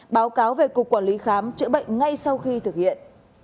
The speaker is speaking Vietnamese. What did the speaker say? báo cáo về cục quản lý khám chữa bệnh ngay sau khi thực hiện